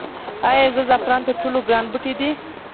آیا زعفران تر ټولو ګران بوټی دی؟